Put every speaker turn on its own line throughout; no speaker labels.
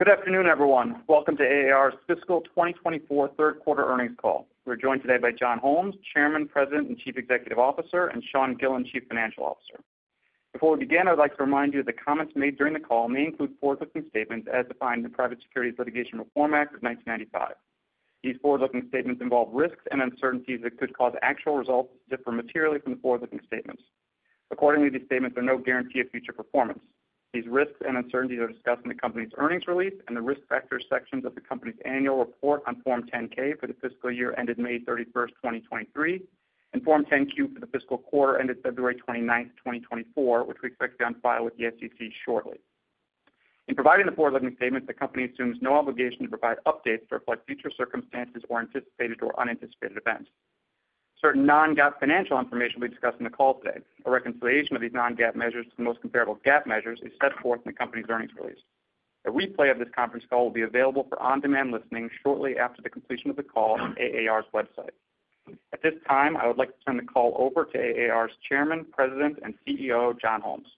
Good afternoon, everyone. Welcome to AAR's fiscal 2024 Third Quarter Earnings Call. We're joined today by John Holmes, Chairman, President, and Chief Executive Officer, and Sean Gillen, Chief Financial Officer. Before we begin, I would like to remind you that the comments made during the call may include forward-looking statements as defined in the Private Securities Litigation Reform Act of 1995. These forward-looking statements involve risks and uncertainties that could cause actual results to differ materially from the forward-looking statements. Accordingly, these statements are no guarantee of future performance. These risks and uncertainties are discussed in the company's earnings release and the risk factors sections of the company's annual report on Form 10-K for the fiscal year ended May 31st, 2023, and Form 10-Q for the fiscal quarter ended February 29th, 2024, which we expect to be on file with the SEC shortly. In providing the forward-looking statements, the company assumes no obligation to provide updates to reflect future circumstances or anticipated or unanticipated events. Certain non-GAAP financial information will be discussed in the call today. A reconciliation of these non-GAAP measures to the most comparable GAAP measures is set forth in the company's earnings release. A replay of this conference call will be available for on-demand listening shortly after the completion of the call on AAR's website. At this time, I would like to turn the call over to AAR's Chairman, President, and CEO John Holmes.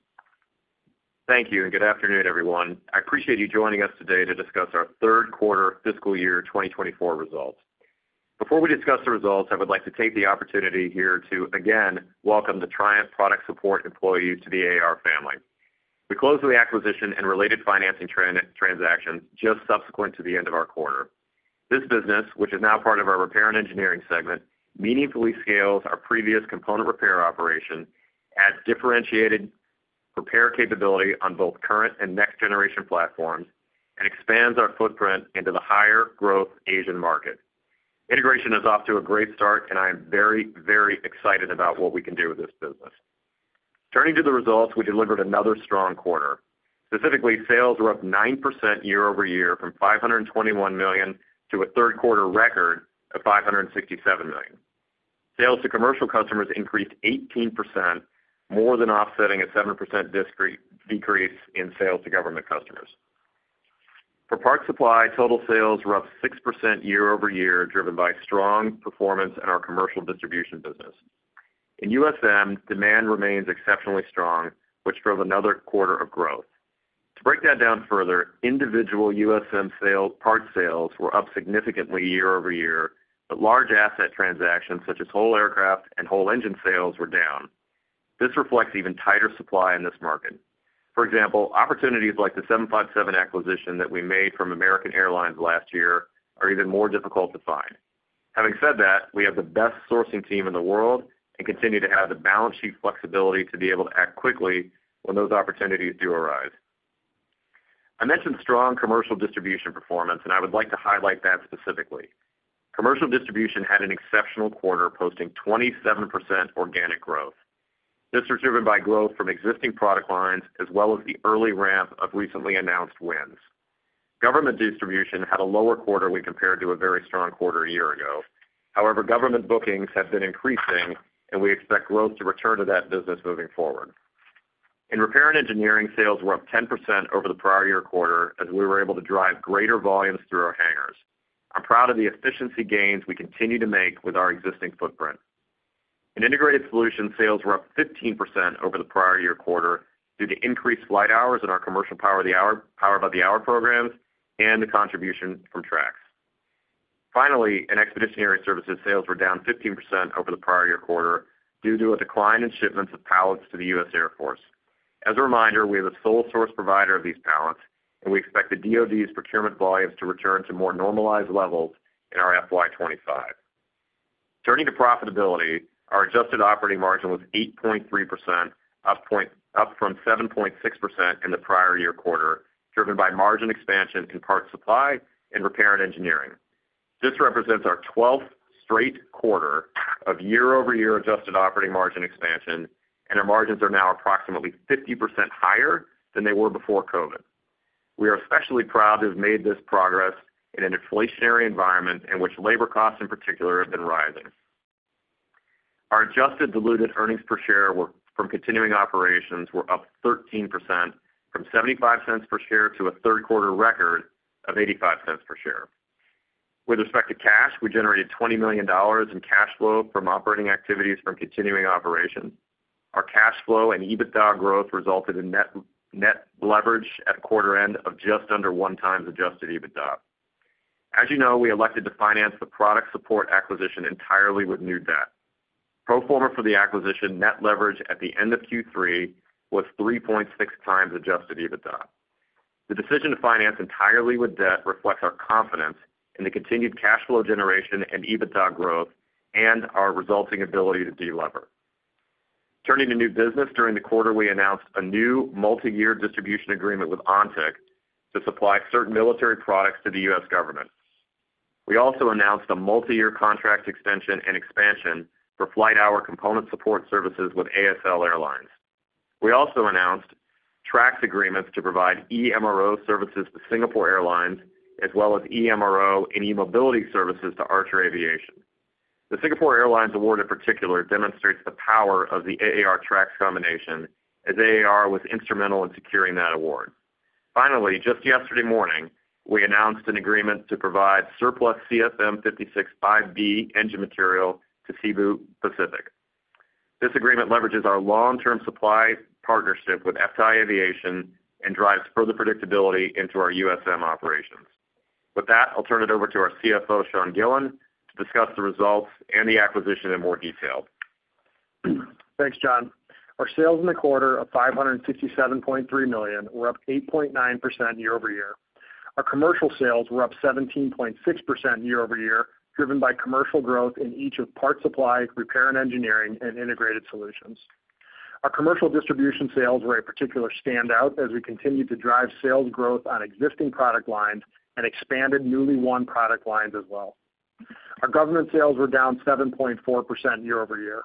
Thank you, and good afternoon, everyone. I appreciate you joining us today to discuss our third quarter fiscal year 2024 results. Before we discuss the results, I would like to take the opportunity here to, again, welcome the Triumph Product Support employees to the AAR family. We closed the acquisition and related financing transactions just subsequent to the end of our quarter. This business, which is now part of our repair and engineering segment, meaningfully scales our previous component repair operation, adds differentiated repair capability on both current and next-generation platforms, and expands our footprint into the higher-growth Asian market. Integration is off to a great start, and I am very, very excited about what we can do with this business. Turning to the results, we delivered another strong quarter. Specifically, sales were up 9% year-over-year from $521 million to a third quarter record of $567 million. Sales to commercial customers increased 18%, more than offsetting a 7% decrease in sales to government customers. For parts supply, total sales were up 6% year-over-year, driven by strong performance in our commercial distribution business. In USM, demand remains exceptionally strong, which drove another quarter of growth. To break that down further, individual USM parts sales were up significantly year-over-year, but large asset transactions such as whole aircraft and whole engine sales were down. This reflects even tighter supply in this market. For example, opportunities like the 757 acquisition that we made from American Airlines last year are even more difficult to find. Having said that, we have the best sourcing team in the world and continue to have the balance sheet flexibility to be able to act quickly when those opportunities do arise. I mentioned strong commercial distribution performance, and I would like to highlight that specifically. Commercial distribution had an exceptional quarter posting 27% organic growth. This was driven by growth from existing product lines as well as the early ramp of recently announced wins. Government distribution had a lower quarter when compared to a very strong quarter a year ago. However, government bookings have been increasing, and we expect growth to return to that business moving forward. In repair and engineering, sales were up 10% over the prior year quarter as we were able to drive greater volumes through our hangars. I'm proud of the efficiency gains we continue to make with our existing footprint. In integrated solutions, sales were up 15% over the prior year quarter due to increased flight hours in our commercial power-by-the-hour programs and the contribution from Trax. Finally, in Expeditionary Services, sales were down 15% over the prior year quarter due to a decline in shipments of pallets to the U.S. Air Force. As a reminder, we have a sole source provider of these pallets, and we expect the DoD's procurement volumes to return to more normalized levels in our FY 2025. Turning to profitability, our adjusted operating margin was 8.3%, up from 7.6% in the prior year quarter, driven by margin expansion in Parts Supply and Repair and Engineering. This represents our 12th straight quarter of year-over-year adjusted operating margin expansion, and our margins are now approximately 50% higher than they were before COVID. We are especially proud to have made this progress in an inflationary environment in which labor costs, in particular, have been rising. Our adjusted diluted earnings per share from continuing operations were up 13%, from $0.75 per share to a third quarter record of $0.85 per share. With respect to cash, we generated $20 million in cash flow from operating activities from continuing operations. Our cash flow and EBITDA growth resulted in net leverage at quarter end of just under 1x adjusted EBITDA. As you know, we elected to finance the product support acquisition entirely with new debt. Pro forma for the acquisition, net leverage at the end of Q3 was 3.6x adjusted EBITDA. The decision to finance entirely with debt reflects our confidence in the continued cash flow generation and EBITDA growth and our resulting ability to de-lever. Turning to new business, during the quarter we announced a new multi-year distribution agreement with Ontic to supply certain military products to the U.S. government. We also announced a multi-year contract extension and expansion for flight hour component support services with ASL Airlines. We also announced Trax agreements to provide eMRO services to Singapore Airlines as well as eMRO and eMobility services to Archer Aviation. The Singapore Airlines award, in particular, demonstrates the power of the AAR Trax combination as AAR was instrumental in securing that award. Finally, just yesterday morning, we announced an agreement to provide surplus CFM56-5B engine material to Cebu Pacific. This agreement leverages our long-term supply partnership with FTAI Aviation and drives further predictability into our USM operations. With that, I'll turn it over to our CFO, Sean Gillen, to discuss the results and the acquisition in more detail.
Thanks, John. Our sales in the quarter of $567.3 million were up 8.9% year-over-year. Our commercial sales were up 17.6% year-over-year, driven by commercial growth in each of parts supply, repair and engineering, and integrated solutions. Our commercial distribution sales were a particular standout as we continued to drive sales growth on existing product lines and expanded newly won product lines as well. Our government sales were down 7.4% year-over-year.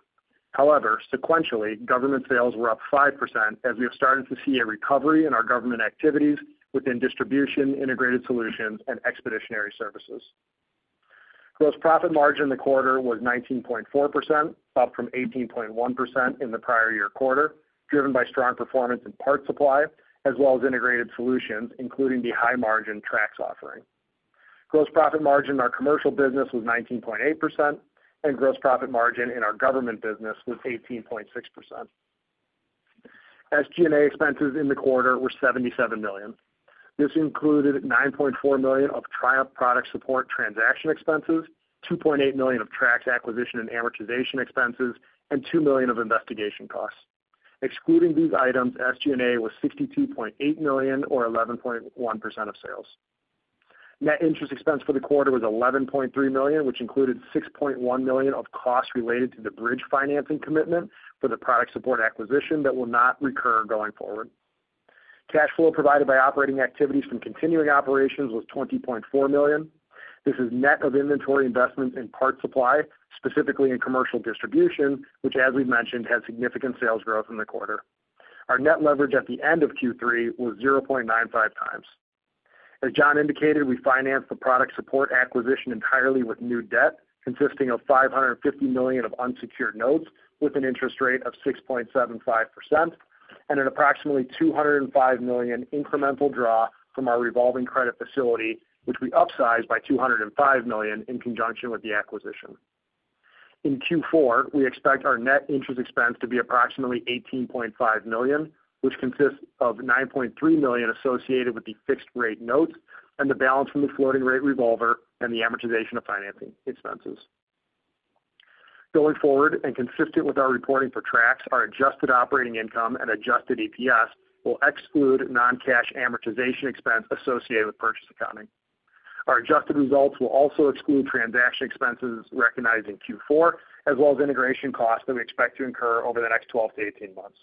However, sequentially, government sales were up 5% as we have started to see a recovery in our government activities within distribution, integrated solutions, and expeditionary services. Gross profit margin for the quarter was 19.4%, up from 18.1% in the prior year quarter, driven by strong performance in parts supply as well as integrated solutions, including the high-margin Trax offering. Gross profit margin in our commercial business was 19.8%, and gross profit margin in our government business was 18.6%. SG&A expenses in the quarter were $77 million. This included $9.4 million of Triumph Product Support transaction expenses, $2.8 million of Trax acquisition and amortization expenses, and $2 million of investigation costs. Excluding these items, SG&A was $62.8 million or 11.1% of sales. Net interest expense for the quarter was $11.3 million, which included $6.1 million of costs related to the bridge financing commitment for the product support acquisition that will not recur going forward. Cash flow provided by operating activities from continuing operations was $20.4 million. This is net of inventory investments in parts supply, specifically in commercial distribution, which, as we've mentioned, had significant sales growth in the quarter. Our net leverage at the end of Q3 was 0.95x. As John indicated, we financed the product support acquisition entirely with new debt, consisting of $550 million of unsecured notes with an interest rate of 6.75% and an approximately $205 million incremental draw from our revolving credit facility, which we upsized by $205 million in conjunction with the acquisition. In Q4, we expect our net interest expense to be approximately $18.5 million, which consists of $9.3 million associated with the fixed-rate notes and the balance from the floating-rate revolver and the amortization of financing expenses. Going forward and consistent with our reporting for Trax, our adjusted operating income and adjusted EPS will exclude non-cash amortization expense associated with purchase accounting. Our adjusted results will also exclude transaction expenses recognized in Q4 as well as integration costs that we expect to incur over the next 12-18 months.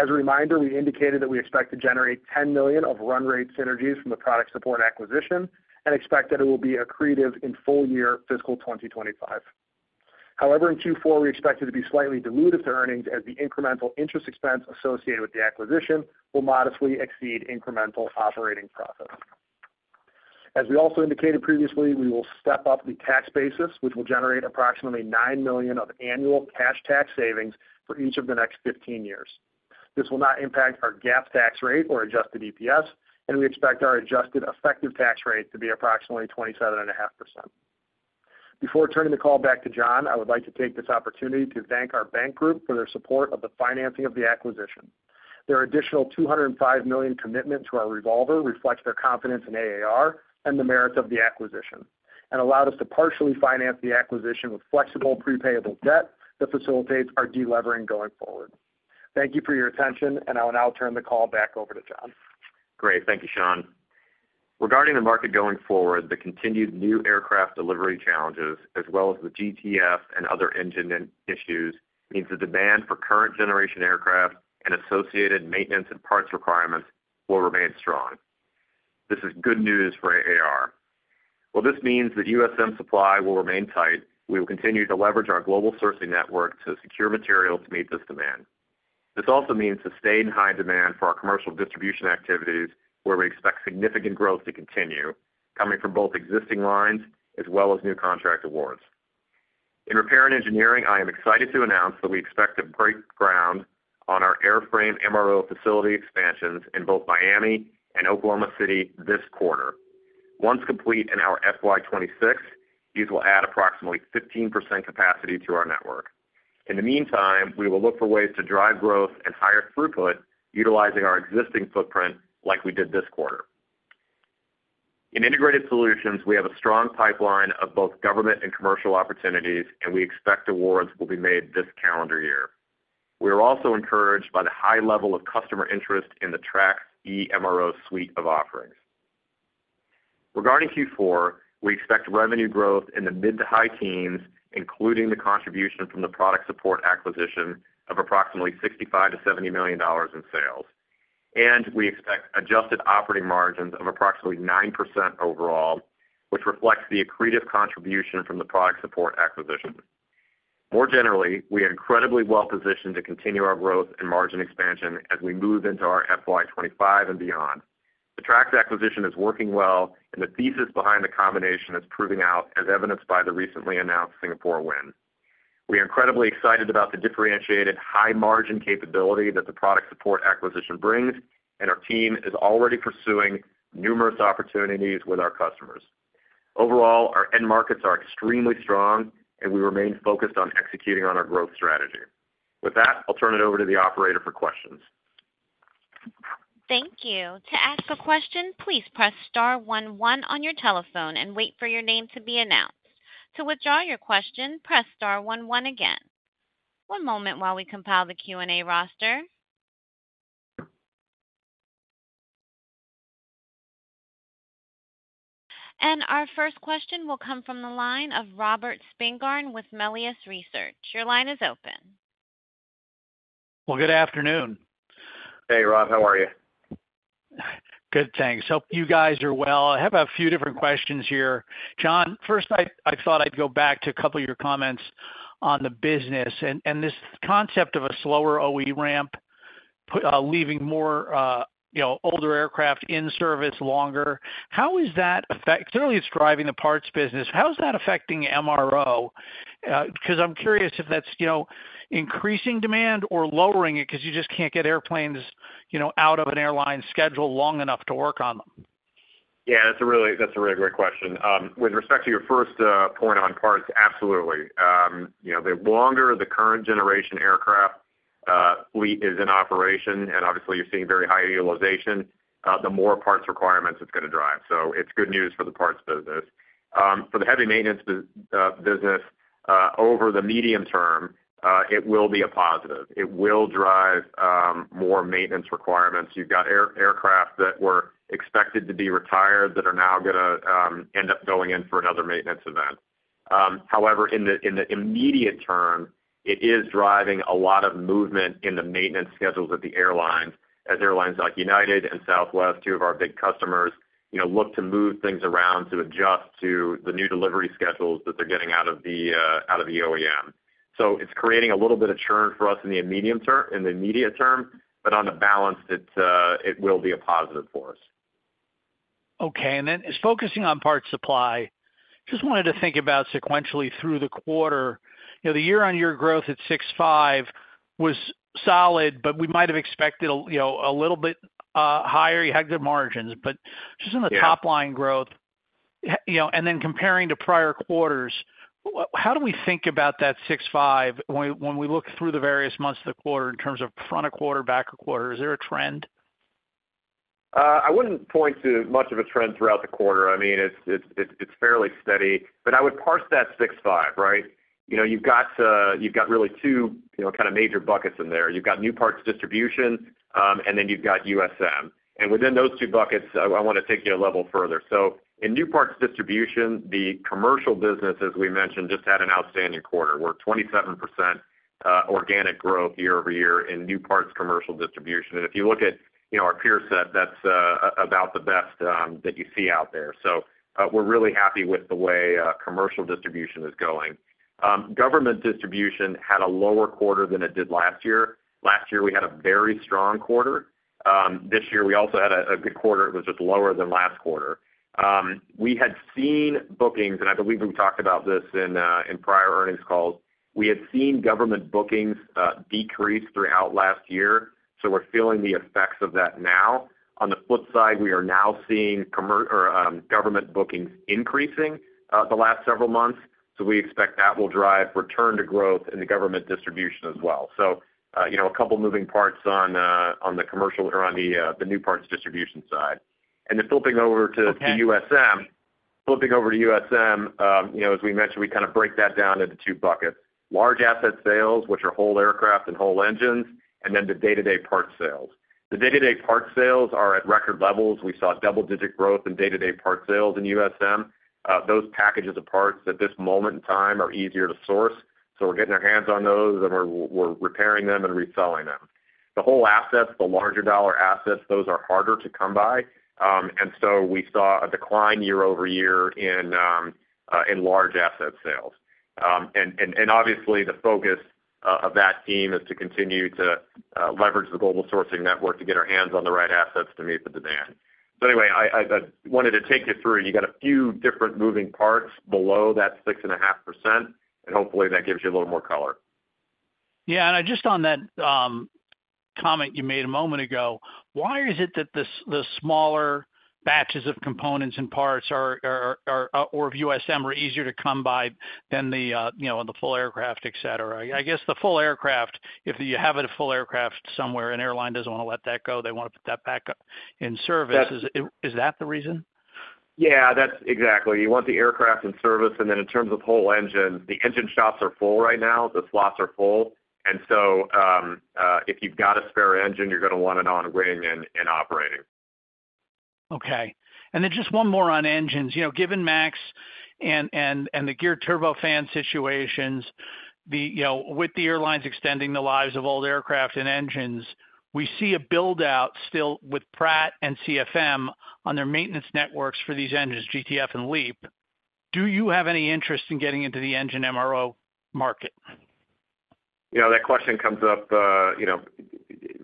As a reminder, we indicated that we expect to generate $10 million of run-rate synergies from the product support acquisition and expect that it will be accretive in full year fiscal 2025. However, in Q4, we expect it to be slightly diluted to earnings as the incremental interest expense associated with the acquisition will modestly exceed incremental operating profits. As we also indicated previously, we will step up the tax basis, which will generate approximately $9 million of annual cash tax savings for each of the next 15 years. This will not impact our GAAP tax rate or adjusted EPS, and we expect our adjusted effective tax rate to be approximately 27.5%. Before turning the call back to John, I would like to take this opportunity to thank our bank group for their support of the financing of the acquisition. Their additional $205 million commitment to our revolver reflects their confidence in AAR and the merits of the acquisition and allowed us to partially finance the acquisition with flexible prepayable debt that facilitates our de-levering going forward. Thank you for your attention, and I will now turn the call back over to John.
Great. Thank you, Sean. Regarding the market going forward, the continued new aircraft delivery challenges as well as the GTF and other engine issues means the demand for current-generation aircraft and associated maintenance and parts requirements will remain strong. This is good news for AAR. While this means that USM supply will remain tight, we will continue to leverage our global sourcing network to secure material to meet this demand. This also means sustained high demand for our commercial distribution activities where we expect significant growth to continue, coming from both existing lines as well as new contract awards. In repair and engineering, I am excited to announce that we expect to break ground on our airframe MRO facility expansions in both Miami and Oklahoma City this quarter. Once complete in our FY 2026, these will add approximately 15% capacity to our network. In the meantime, we will look for ways to drive growth and higher throughput utilizing our existing footprint like we did this quarter. In Integrated Solutions, we have a strong pipeline of both government and commercial opportunities, and we expect awards will be made this calendar year. We are also encouraged by the high level of customer interest in the Trax eMRO suite of offerings. Regarding Q4, we expect revenue growth in the mid- to high-teens, including the contribution from the product support acquisition of approximately $65-$70 million in sales. And we expect adjusted operating margins of approximately 9% overall, which reflects the accretive contribution from the product support acquisition. More generally, we are incredibly well positioned to continue our growth and margin expansion as we move into our FY 2025 and beyond. The Trax acquisition is working well, and the thesis behind the combination is proving out, as evidenced by the recently announced Singapore win. We are incredibly excited about the differentiated high-margin capability that the product support acquisition brings, and our team is already pursuing numerous opportunities with our customers. Overall, our end markets are extremely strong, and we remain focused on executing on our growth strategy. With that, I'll turn it over to the operator for questions.
Thank you. To ask a question, please press star one one on your telephone and wait for your name to be announced. To withdraw your question, press star one one again. One moment while we compile the Q&A roster. Our first question will come from the line of Robert Spingarn with Melius Research. Your line is open.
Well, good afternoon.
Hey, Rob. How are you?
Good, thanks. Hope you guys are well. I have a few different questions here. John, first, I thought I'd go back to a couple of your comments on the business. And this concept of a slower OE ramp, leaving more older aircraft in service longer, how is that affecting, clearly, it's driving the parts business. How is that affecting MRO? Because I'm curious if that's increasing demand or lowering it because you just can't get airplanes out of an airline schedule long enough to work on them.
Yeah, that's a really great question. With respect to your first point on parts, absolutely. The longer the current-generation aircraft fleet is in operation, and obviously, you're seeing very high utilization, the more parts requirements it's going to drive. So it's good news for the parts business. For the heavy maintenance business, over the medium term, it will be a positive. It will drive more maintenance requirements. You've got aircraft that were expected to be retired that are now going to end up going in for another maintenance event. However, in the immediate term, it is driving a lot of movement in the maintenance schedules at the airlines as airlines like United and Southwest, two of our big customers, look to move things around to adjust to the new delivery schedules that they're getting out of the OEM. It's creating a little bit of churn for us in the immediate term, but on the balance, it will be a positive for us.
Okay. And then focusing on Parts Supply, just wanted to think about sequentially through the quarter. The year-on-year growth at 6.5 was solid, but we might have expected a little bit higher. You had good margins. But just in the top-line growth, and then comparing to prior quarters, how do we think about that 6.5 when we look through the various months of the quarter in terms of front of quarter, back of quarter? Is there a trend?
I wouldn't point to much of a trend throughout the quarter. I mean, it's fairly steady. But I would parse that 6.5, right? You've got really two kind of major buckets in there. You've got new parts distribution, and then you've got USM. And within those two buckets, I want to take you a level further. So in new parts distribution, the commercial business, as we mentioned, just had an outstanding quarter. We're 27% organic growth year-over-year in new parts commercial distribution. And if you look at our peer set, that's about the best that you see out there. So we're really happy with the way commercial distribution is going. Government distribution had a lower quarter than it did last year. Last year, we had a very strong quarter. This year, we also had a good quarter. It was just lower than last quarter. We had seen bookings, and I believe we've talked about this in prior earnings calls. We had seen government bookings decrease throughout last year. So we're feeling the effects of that now. On the flip side, we are now seeing government bookings increasing the last several months. So we expect that will drive return to growth in the government distribution as well. So a couple of moving parts on the commercial or on the new parts distribution side. And then flipping over to USM, flipping over to USM, as we mentioned, we kind of break that down into two buckets: large asset sales, which are whole aircraft and whole engines, and then the day-to-day parts sales. The day-to-day parts sales are at record levels. We saw double-digit growth in day-to-day parts sales in USM. Those packages of parts at this moment in time are easier to source. So we're getting our hands on those, and we're repairing them and reselling them. The whole assets, the larger dollar assets, those are harder to come by. And so we saw a decline year-over-year in large asset sales. And obviously, the focus of that team is to continue to leverage the global sourcing network to get our hands on the right assets to meet the demand. So anyway, I wanted to take you through. You got a few different moving parts below that 6.5%, and hopefully, that gives you a little more color.
Yeah. And just on that comment you made a moment ago, why is it that the smaller batches of components and parts or of USM are easier to come by than the full aircraft, etc.? I guess the full aircraft, if you have a full aircraft somewhere, an airline doesn't want to let that go. They want to put that back in service. Is that the reason?
Yeah, exactly. You want the aircraft in service. And then in terms of whole engines, the engine shops are full right now. The slots are full. And so if you've got a spare engine, you're going to want it on wing and operating.
Okay. And then just one more on engines. Given MAX and the geared turbofan situations, with the airlines extending the lives of old aircraft and engines, we see a buildout still with Pratt and CFM on their maintenance networks for these engines, GTF and LEAP. Do you have any interest in getting into the engine MRO market?
That question comes up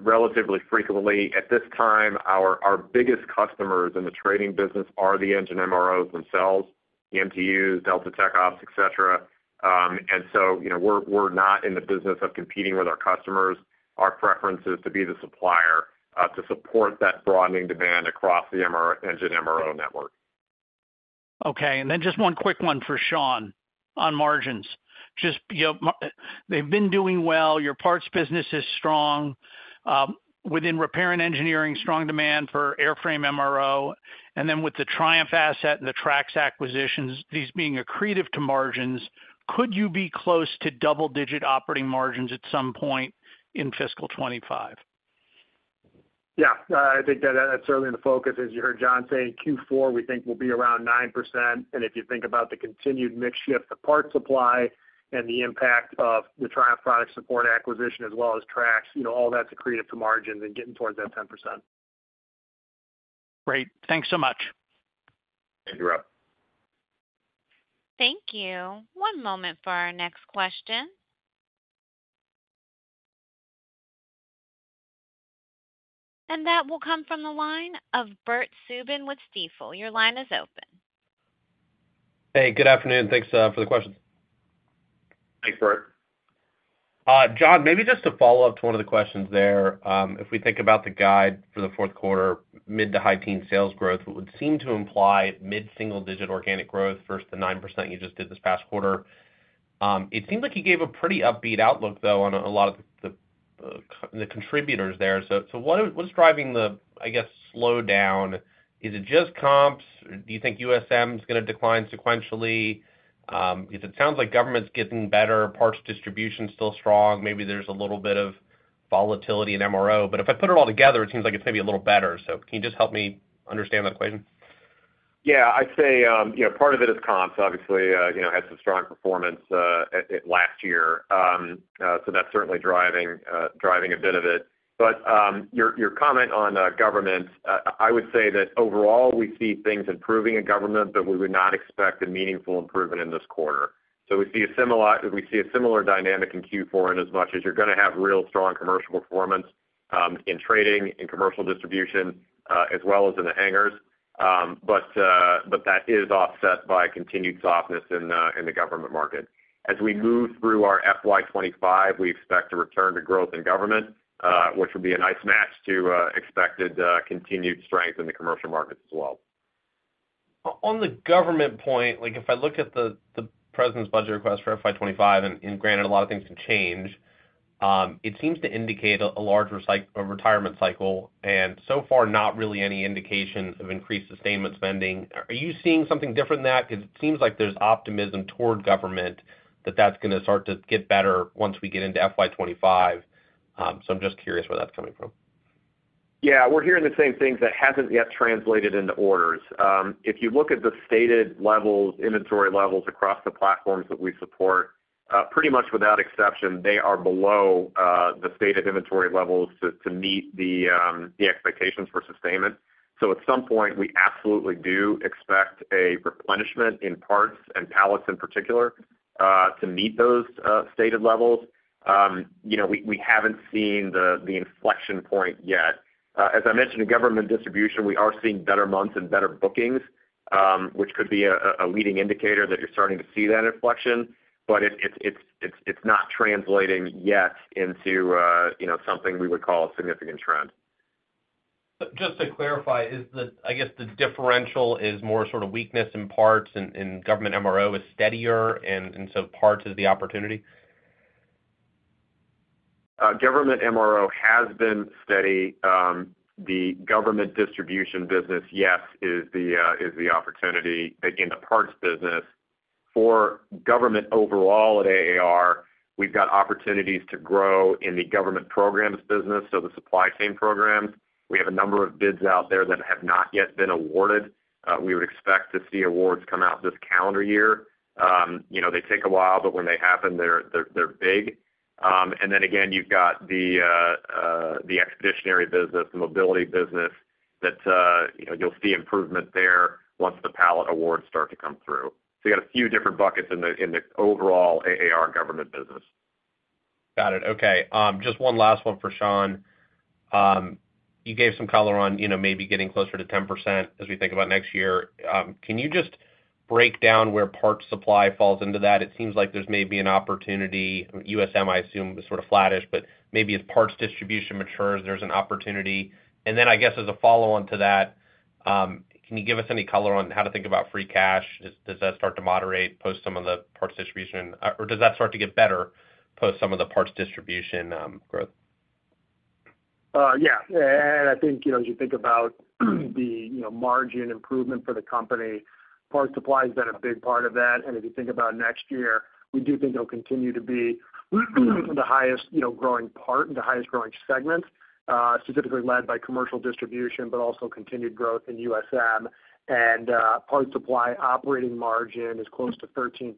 relatively frequently. At this time, our biggest customers in the trading business are the engine MROs themselves, the MTUs, Delta TechOps, etc. And so we're not in the business of competing with our customers. Our preference is to be the supplier to support that broadening demand across the engine MRO network.
Okay. And then just one quick one for Sean on margins. They've been doing well. Your parts business is strong. Within repair and engineering, strong demand for airframe MRO. And then with the Triumph asset and the Trax acquisitions, these being accretive to margins, could you be close to double-digit operating margins at some point in fiscal 2025?
Yeah. I think that that's certainly in the focus. As you heard John say, Q4, we think we'll be around 9%. And if you think about the continued mix shift of Parts Supply and the impact of the Triumph Product Support acquisition as well as Trax, all that's accretive to margins and getting towards that 10%.
Great. Thanks so much.
Thank you, Rob.
Thank you. One moment for our next question. That will come from the line of Bert Subin with Stifel. Your line is open.
Hey, good afternoon. Thanks for the questions.
Thanks, Bert.
John, maybe just to follow up to one of the questions there. If we think about the guide for the fourth quarter, mid- to high-teens sales growth, what would seem to imply mid-single-digit organic growth versus the 9% you just did this past quarter? It seemed like you gave a pretty upbeat outlook, though, on a lot of the contributors there. So what's driving the, I guess, slowdown? Is it just comps? Do you think USM is going to decline sequentially? Because it sounds like government's getting better, parts distribution still strong. Maybe there's a little bit of volatility in MRO. But if I put it all together, it seems like it's maybe a little better. So can you just help me understand that equation?
Yeah. I'd say part of it is comps. Obviously, it had some strong performance last year. So that's certainly driving a bit of it. But your comment on government, I would say that overall, we see things improving in government, but we would not expect a meaningful improvement in this quarter. So we see a similar dynamic in Q4 inasmuch as you're going to have real strong commercial performance in trading, in commercial distribution, as well as in the hangars. But that is offset by continued softness in the government market. As we move through our FY 2025, we expect to return to growth in government, which would be a nice match to expected continued strength in the commercial markets as well.
On the government point, if I look at the president's budget request for FY 2025, and granted, a lot of things can change, it seems to indicate a larger retirement cycle and so far not really any indication of increased sustainment spending. Are you seeing something different than that? Because it seems like there's optimism toward government that that's going to start to get better once we get into FY 2025. So I'm just curious where that's coming from.
Yeah. We're hearing the same things that hasn't yet translated into orders. If you look at the stated levels, inventory levels across the platforms that we support, pretty much without exception, they are below the stated inventory levels to meet the expectations for sustainment. So at some point, we absolutely do expect a replenishment in parts and pallets in particular to meet those stated levels. We haven't seen the inflection point yet. As I mentioned, in government distribution, we are seeing better months and better bookings, which could be a leading indicator that you're starting to see that inflection. But it's not translating yet into something we would call a significant trend.
Just to clarify, I guess the differential is more sort of weakness in parts, and government MRO is steadier, and so parts is the opportunity?
Government MRO has been steady. The government distribution business, yes, is the opportunity in the parts business. For government overall at AAR, we've got opportunities to grow in the government programs business, so the supply chain programs. We have a number of bids out there that have not yet been awarded. We would expect to see awards come out this calendar year. They take a while, but when they happen, they're big. And then again, you've got the expeditionary business, the mobility business that you'll see improvement there once the pallet awards start to come through. So you got a few different buckets in the overall AAR government business.
Got it. Okay. Just one last one for Sean. You gave some color on maybe getting closer to 10% as we think about next year. Can you just break down where parts supply falls into that? It seems like there's maybe an opportunity. USM, I assume, is sort of flattish, but maybe as parts distribution matures, there's an opportunity. And then I guess as a follow-on to that, can you give us any color on how to think about free cash? Does that start to moderate post some of the parts distribution, or does that start to get better post some of the parts distribution growth?
Yeah. I think as you think about the margin improvement for the company, Parts Supply has been a big part of that. If you think about next year, we do think it'll continue to be the highest growing part and the highest growing segment, specifically led by commercial distribution, but also continued growth in USM. Parts Supply operating margin is close to 13%.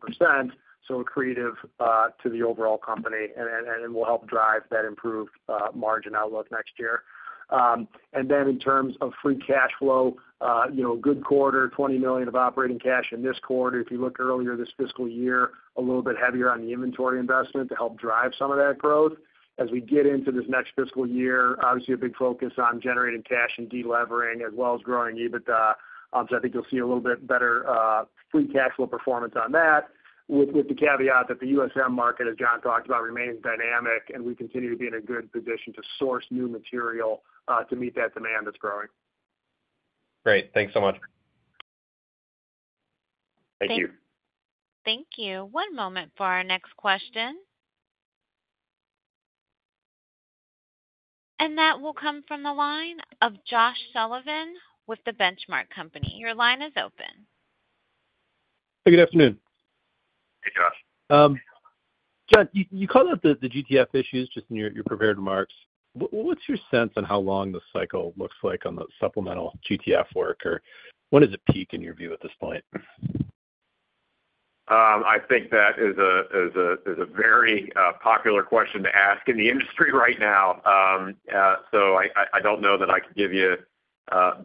So accretive to the overall company and will help drive that improved margin outlook next year. Then in terms of free cash flow, a good quarter, $20 million of operating cash in this quarter. If you look earlier this fiscal year, a little bit heavier on the inventory investment to help drive some of that growth. As we get into this next fiscal year, obviously, a big focus on generating cash and delevering as well as growing EBITDA. I think you'll see a little bit better free cash flow performance on that with the caveat that the USM market, as John talked about, remains dynamic, and we continue to be in a good position to source new material to meet that demand that's growing.
Great. Thanks so much.
Thank you.
Thank you. One moment for our next question. That will come from the line of Josh Sullivan with The Benchmark Company. Your line is open.
Hey, good afternoon.
Hey, Josh.
John, you called out the GTF issues just in your prepared remarks. What's your sense on how long the cycle looks like on the supplemental GTF work, or when does it peak in your view at this point?
I think that is a very popular question to ask in the industry right now. So I don't know that I could give you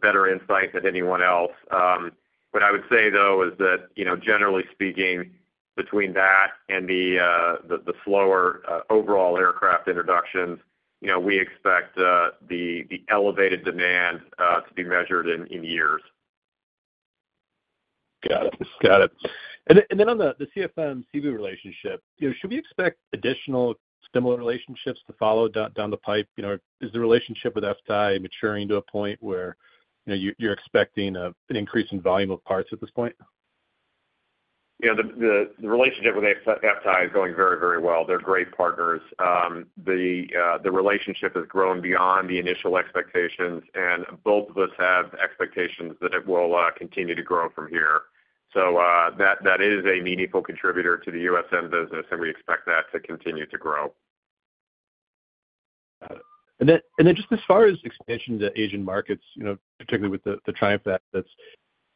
better insight than anyone else. What I would say, though, is that generally speaking, between that and the slower overall aircraft introductions, we expect the elevated demand to be measured in years.
Got it. Got it. And then on the CFM-Cebu relationship, should we expect additional similar relationships to follow down the pipe? Is the relationship with FTAI maturing to a point where you're expecting an increase in volume of parts at this point?
Yeah. The relationship with FTAI is going very, very well. They're great partners. The relationship has grown beyond the initial expectations, and both of us have expectations that it will continue to grow from here. So that is a meaningful contributor to the USM business, and we expect that to continue to grow.
Got it. And then just as far as expansion to Asian markets, particularly with the Triumph assets,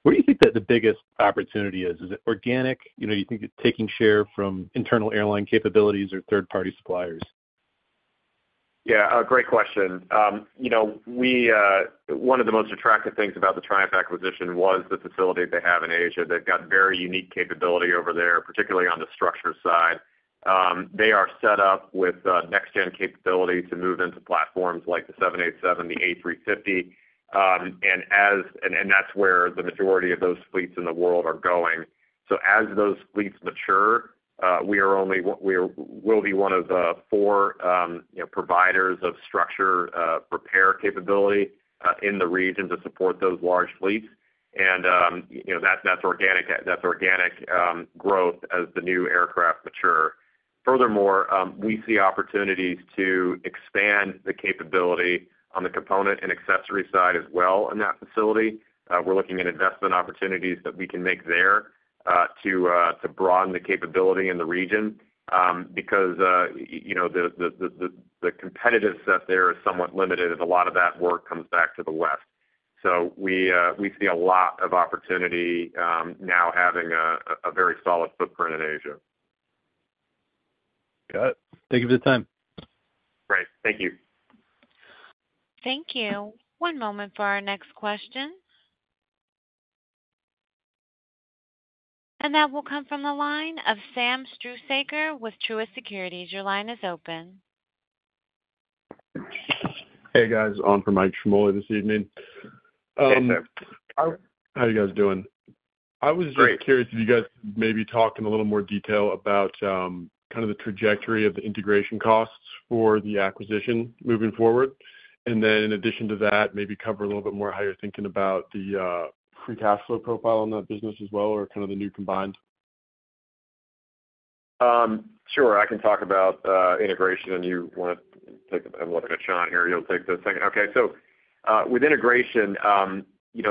where do you think that the biggest opportunity is? Is it organic? Do you think it's taking share from internal airline capabilities or third-party suppliers?
Yeah. Great question. One of the most attractive things about the Triumph acquisition was the facility they have in Asia. They've got very unique capability over there, particularly on the structure side. They are set up with next-gen capability to move into platforms like the 787, the A350, and that's where the majority of those fleets in the world are going. So as those fleets mature, we will be one of the four providers of structure repair capability in the region to support those large fleets. And that's organic growth as the new aircraft mature. Furthermore, we see opportunities to expand the capability on the component and accessory side as well in that facility. We're looking at investment opportunities that we can make there to broaden the capability in the region because the competitive set there is somewhat limited, and a lot of that work comes back to the West. We see a lot of opportunity now having a very solid footprint in Asia.
Got it. Thank you for the time.
Great. Thank you.
Thank you. One moment for our next question. That will come from the line of Sam Struhsaker with Truist Securities. Your line is open.
Hey, guys. On from Mike Ciarmoli this evening.
Hey, Sam.
How are you guys doing? I was just curious if you guys could maybe talk in a little more detail about kind of the trajectory of the integration costs for the acquisition moving forward. And then in addition to that, maybe cover a little bit more how you're thinking about the free cash flow profile on that business as well or kind of the new combined.
Sure. I can talk about integration, and you want to take a look at John here. He'll take the second. Okay. So with integration, we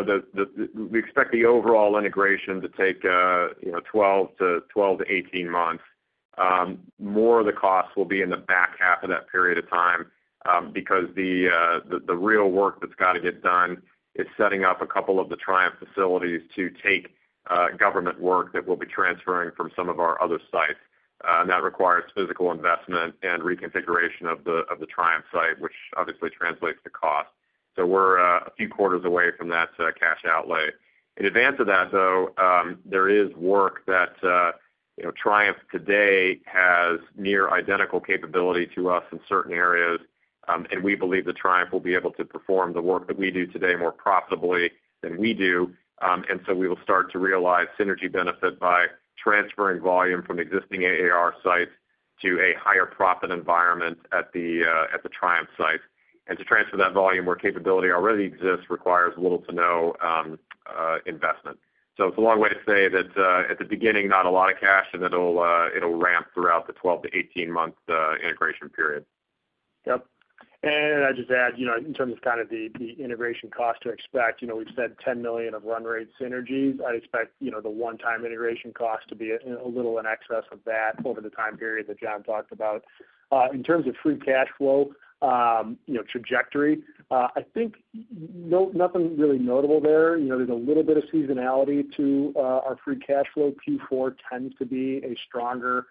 expect the overall integration to take 12-18 months. More of the costs will be in the back half of that period of time because the real work that's got to get done is setting up a couple of the Triumph facilities to take government work that we'll be transferring from some of our other sites. And that requires physical investment and reconfiguration of the Triumph site, which obviously translates to cost. So we're a few quarters away from that cash outlay. In advance of that, though, there is work that Triumph today has near identical capability to us in certain areas. And we believe the Triumph will be able to perform the work that we do today more profitably than we do. We will start to realize synergy benefit by transferring volume from existing AAR sites to a higher-profit environment at the Triumph site. To transfer that volume where capability already exists requires little to no investment. It's a long way to say that at the beginning, not a lot of cash, and it'll ramp throughout the 12-18-month integration period.
Yep. And I'd just add, in terms of kind of the integration cost to expect, we've said $10 million of run rate synergies. I'd expect the one-time integration cost to be a little in excess of that over the time period that John talked about. In terms of free cash flow trajectory, I think nothing really notable there. There's a little bit of seasonality to our free cash flow. Q4 tends to be a stronger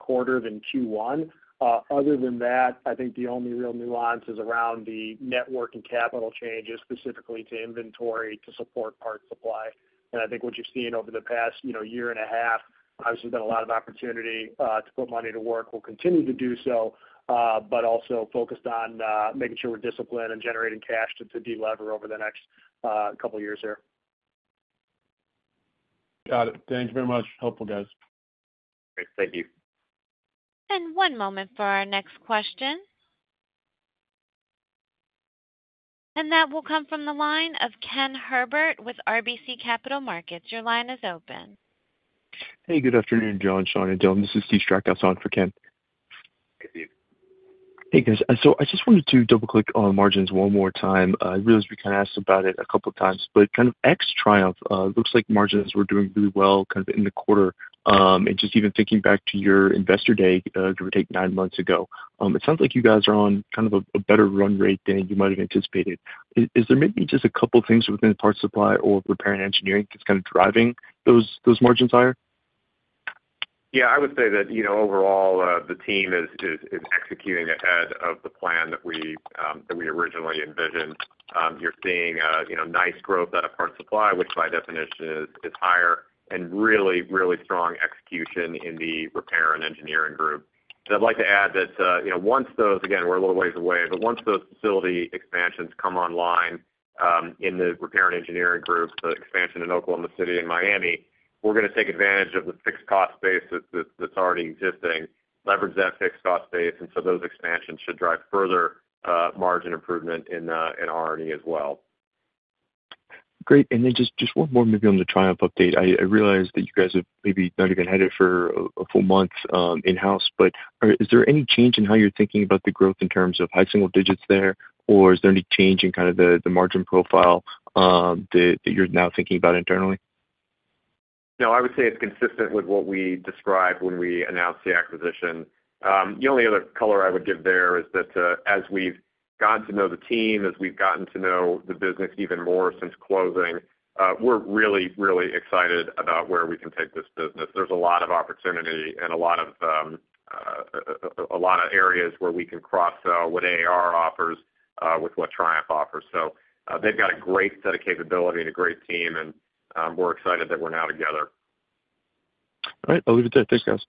quarter than Q1. Other than that, I think the only real nuance is around the network and capital changes, specifically to inventory to support parts supply. And I think what you've seen over the past year and a half, obviously, there's been a lot of opportunity to put money to work. We'll continue to do so, but also focused on making sure we're disciplined and generating cash to delever over the next couple of years here.
Got it. Thank you very much. Helpful, guys.
Great. Thank you.
One moment for our next question. That will come from the line of Ken Herbert with RBC Capital Markets. Your line is open.
Hey. Good afternoon, John, Sean, and Dylan. This is Steve Strackhouse for Ken.
Hey, Steve.
Hey, guys. So I just wanted to double-click on margins one more time. I realize we kind of asked about it a couple of times, but kind of ex-Triumph, it looks like margins were doing really well kind of in the quarter. And just even thinking back to your investor day, give or take nine months ago, it sounds like you guys are on kind of a better run rate than you might have anticipated. Is there maybe just a couple of things within parts supply or repair and engineering that's kind of driving those margins higher?
Yeah. I would say that overall, the team is executing ahead of the plan that we originally envisioned. You're seeing nice growth out of parts supply, which by definition is higher, and really, really strong execution in the repair and engineering group. I'd like to add that once those, we're a little ways away, but once those facility expansions come online in the repair and engineering group, the expansion in Oklahoma City and Miami, we're going to take advantage of the fixed cost base that's already existing, leverage that fixed cost base. So those expansions should drive further margin improvement in R&E as well.
Great. And then just one more moving on the Triumph update. I realize that you guys have maybe not even had it for a full month in-house, but is there any change in how you're thinking about the growth in terms of high single digits there, or is there any change in kind of the margin profile that you're now thinking about internally?
No. I would say it's consistent with what we described when we announced the acquisition. The only other color I would give there is that as we've gotten to know the team, as we've gotten to know the business even more since closing, we're really, really excited about where we can take this business. There's a lot of opportunity and a lot of areas where we can cross-sell what AAR offers with what Triumph offers. So they've got a great set of capability and a great team, and we're excited that we're now together.
All right. I'll leave it there. Thanks, guys.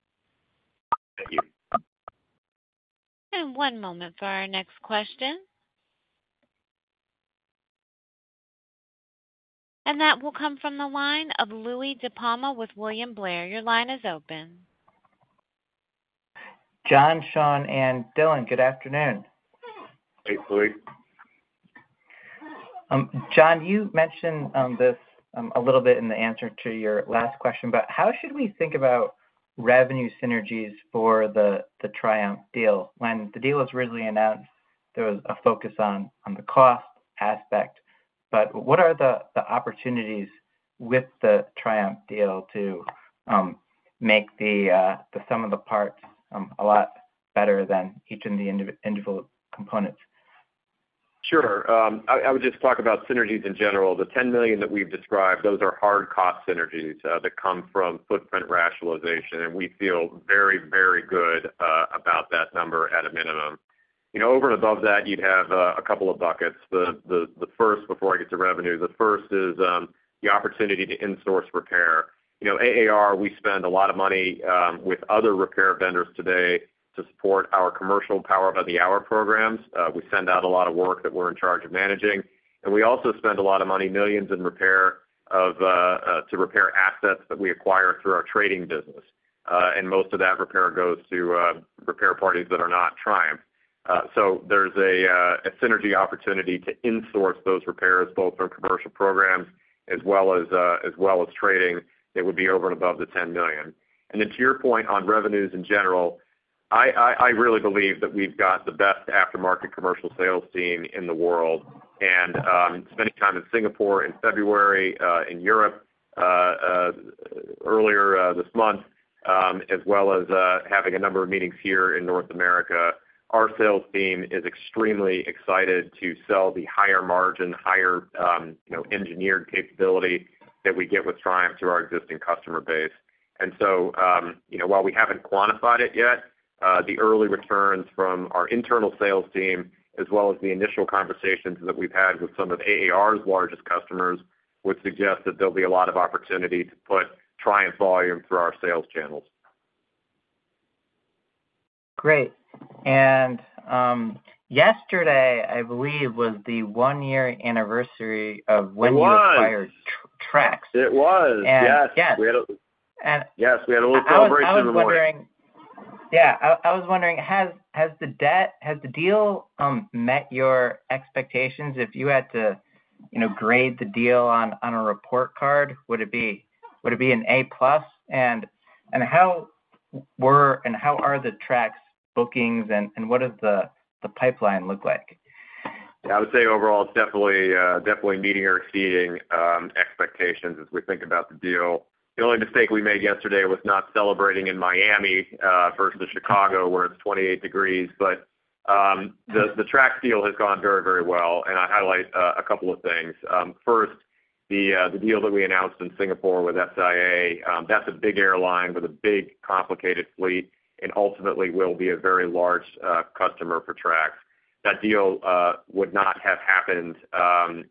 Thank you.
One moment for our next question. That will come from the line of Louie DiPalma with William Blair. Your line is open.
John, Sean, and Dylan. Good afternoon.
Hey, Louie.
John, you mentioned this a little bit in the answer to your last question, but how should we think about revenue synergies for the Triumph deal? When the deal was originally announced, there was a focus on the cost aspect. But what are the opportunities with the Triumph deal to make the sum of the parts a lot better than each of the individual components?
Sure. I would just talk about synergies in general. The $10 million that we've described, those are hard-cost synergies that come from footprint rationalization, and we feel very, very good about that number at a minimum. Over and above that, you'd have a couple of buckets. Before I get to revenue, the first is the opportunity to insource repair. AAR, we spend a lot of money with other repair vendors today to support our commercial power-by-the-hour programs. We send out a lot of work that we're in charge of managing. And we also spend a lot of money, millions, to repair assets that we acquire through our trading business. And most of that repair goes to third parties that are not Triumph. So there's a synergy opportunity to insource those repairs, both from commercial programs as well as trading. It would be over and above the $10 million. And then to your point on revenues in general, I really believe that we've got the best aftermarket commercial sales team in the world. Spending time in Singapore in February, in Europe earlier this month, as well as having a number of meetings here in North America, our sales team is extremely excited to sell the higher margin, higher engineered capability that we get with Triumph to our existing customer base. So while we haven't quantified it yet, the early returns from our internal sales team, as well as the initial conversations that we've had with some of AAR's largest customers, would suggest that there'll be a lot of opportunity to put Triumph volume through our sales channels.
Great. Yesterday, I believe, was the one-year anniversary of when you acquired Trax.
It was. Yes. Yes. We had a little celebration of the morning.
Yeah. I was wondering, has the deal met your expectations? If you had to grade the deal on a report card, would it be an A-plus? How are the Trax bookings, and what does the pipeline look like?
Yeah. I would say overall, it's definitely meeting or exceeding expectations as we think about the deal. The only mistake we made yesterday was not celebrating in Miami versus Chicago, where it's 28 degrees. But the Trax deal has gone very, very well. And I'd highlight a couple of things. First, the deal that we announced in Singapore with SIA, that's a big airline with a big, complicated fleet and ultimately will be a very large customer for Trax. That deal would not have happened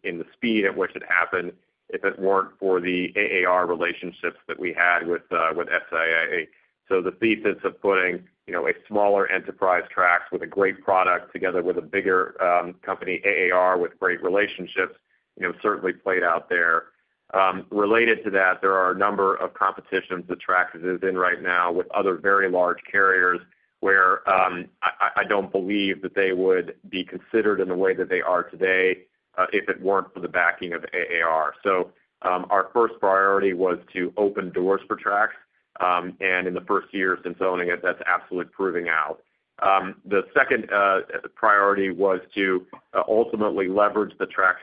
in the speed at which it happened if it weren't for the AAR relationships that we had with SIA. So the thesis of putting a smaller enterprise Trax with a great product together with a bigger company, AAR, with great relationships, certainly played out there. Related to that, there are a number of competitions that Trax is in right now with other very large carriers where I don't believe that they would be considered in the way that they are today if it weren't for the backing of AAR. Our first priority was to open doors for Trax. In the first years since owning it, that's absolutely proving out. The second priority was to ultimately leverage the Trax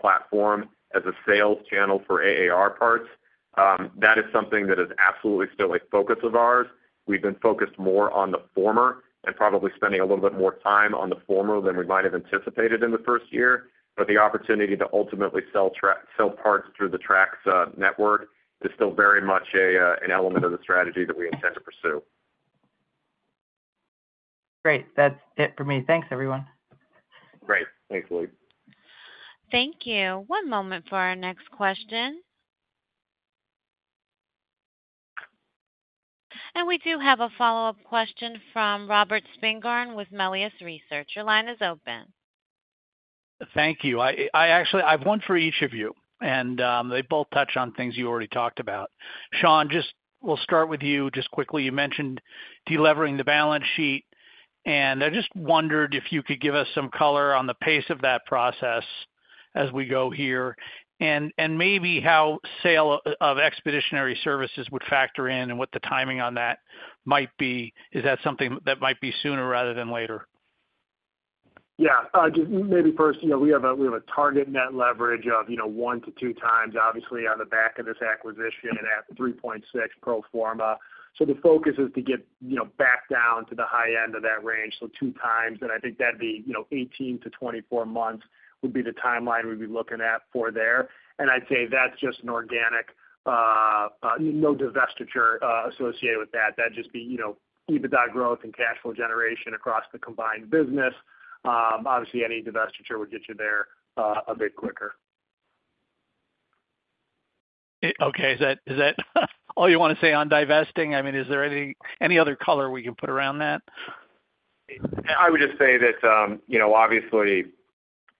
platform as a sales channel for AAR parts. That is something that is absolutely still a focus of ours. We've been focused more on the former and probably spending a little bit more time on the former than we might have anticipated in the first year. But the opportunity to ultimately sell parts through the Trax network is still very much an element of the strategy that we intend to pursue.
Great. That's it for me. Thanks, everyone.
Great. Thanks, Louie.
Thank you. One moment for our next question. We do have a follow-up question from Robert Spingarn with Melius Research. Your line is open.
Thank you. I've one for each of you, and they both touch on things you already talked about. Sean, we'll start with you just quickly. You mentioned delevering the balance sheet, and I just wondered if you could give us some color on the pace of that process as we go here and maybe how sale of Expeditionary Services would factor in and what the timing on that might be. Is that something that might be sooner rather than later?
Yeah. Just maybe first, we have a target net leverage of 1-2 times, obviously, on the back of this acquisition at 3.6 pro forma. So the focus is to get back down to the high end of that range, so 2x. And I think that'd be 18-24 months would be the timeline we'd be looking at for there. And I'd say that's just an organic no divestiture associated with that. That'd just be EBITDA growth and cash flow generation across the combined business. Obviously, any divestiture would get you there a bit quicker.
Okay. Is that all you want to say on divesting? I mean, is there any other color we can put around that?
I would just say that, obviously,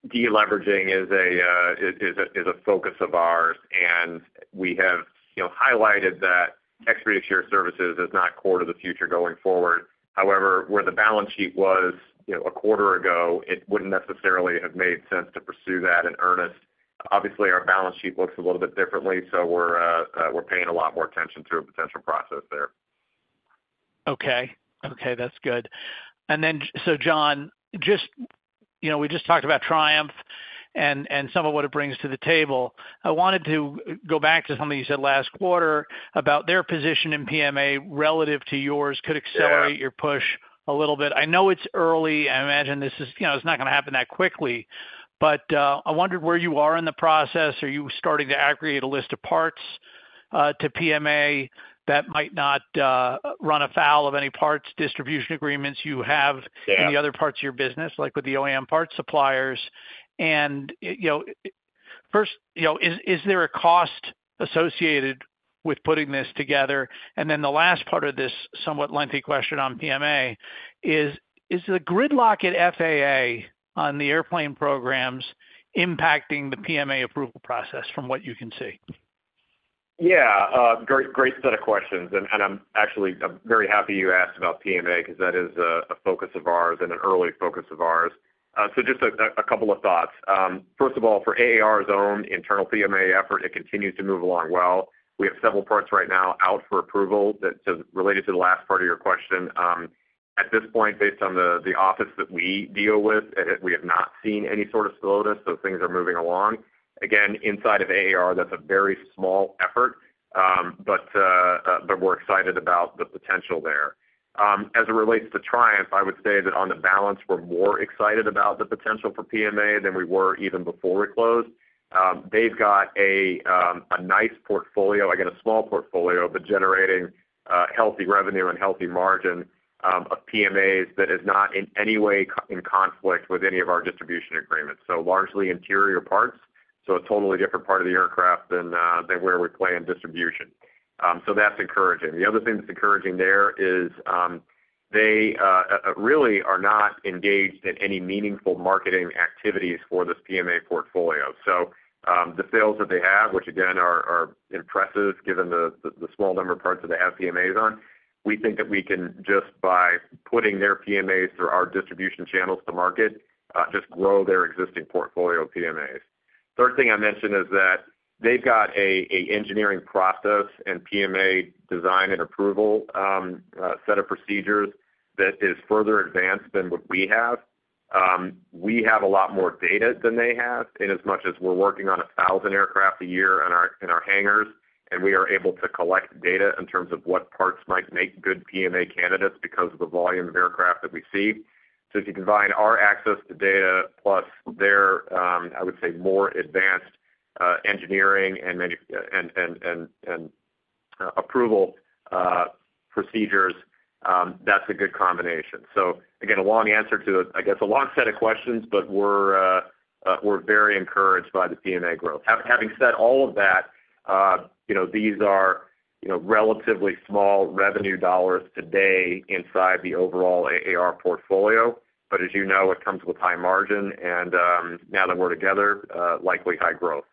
deleveraging is a focus of ours, and we have highlighted that Expeditionary Services is not core to the future going forward. However, where the balance sheet was a quarter ago, it wouldn't necessarily have made sense to pursue that in earnest. Obviously, our balance sheet looks a little bit differently, so we're paying a lot more attention to a potential process there.
Okay. Okay. That's good. And then, so John, we just talked about Triumph and some of what it brings to the table. I wanted to go back to something you said last quarter about their position in PMA relative to yours, could accelerate your push a little bit. I know it's early. I imagine it's not going to happen that quickly. But I wondered where you are in the process. Are you starting to aggregate a list of parts to PMA that might not run afoul of any parts distribution agreements you have in the other parts of your business, like with the OEM parts suppliers? And first, is there a cost associated with putting this together? And then the last part of this somewhat lengthy question on PMA is, is the gridlock at FAA on the airplane programs impacting the PMA approval process from what you can see?
Yeah. Great set of questions. I'm actually very happy you asked about PMA because that is a focus of ours and an early focus of ours. Just a couple of thoughts. First of all, for AAR's own internal PMA effort, it continues to move along well. We have several parts right now out for approval related to the last part of your question. At this point, based on the office that we deal with, we have not seen any sort of slowdown, so things are moving along. Again, inside of AAR, that's a very small effort, but we're excited about the potential there. As it relates to Triumph, I would say that on the balance, we're more excited about the potential for PMA than we were even before we closed. They've got a nice portfolio. Again, a small portfolio, but generating healthy revenue and healthy margin of PMAs that is not in any way in conflict with any of our distribution agreements. So largely interior parts. So a totally different part of the aircraft than where we play in distribution. So that's encouraging. The other thing that's encouraging there is they really are not engaged in any meaningful marketing activities for this PMA portfolio. So the sales that they have, which again are impressive given the small number of parts that they have PMAs on, we think that we can just by putting their PMAs through our distribution channels to market, just grow their existing portfolio of PMAs. Third thing I mentioned is that they've got an engineering process and PMA design and approval set of procedures that is further advanced than what we have. We have a lot more data than they have. Inasmuch as we're working on 1,000 aircraft a year in our hangars, and we are able to collect data in terms of what parts might make good PMA candidates because of the volume of aircraft that we see. So if you combine our access to data plus their, I would say, more advanced engineering and approval procedures, that's a good combination. So again, a long answer to, I guess, a long set of questions, but we're very encouraged by the PMA growth. Having said all of that, these are relatively small revenue dollars today inside the overall AAR portfolio. But as you know, it comes with high margin. And now that we're together, likely high growth.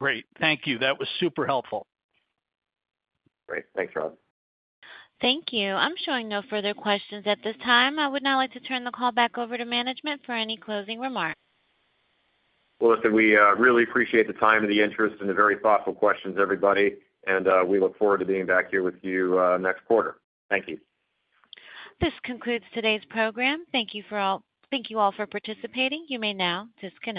Great. Thank you. That was super helpful.
Great. Thanks, Rob.
Thank you. I'm showing no further questions at this time. I would now like to turn the call back over to management for any closing remarks.
Well, listen, we really appreciate the time and the interest and the very thoughtful questions, everybody. We look forward to being back here with you next quarter. Thank you.
This concludes today's program. Thank you all for participating. You may now disconnect.